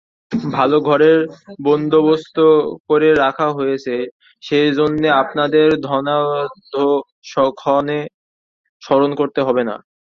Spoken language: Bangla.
ভালো ঘরের বন্দোবস্ত করে রাখা হয়েছে সেজন্যে আপনাদের ধনাধ্যক্ষকে স্মরণ করতে হবে না।